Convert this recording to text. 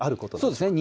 そうですね。